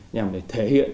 nhằm để thể hiện